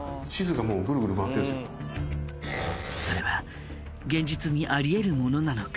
それは現実にありえるものなのか？